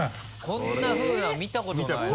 こんなふうなの見たことないな。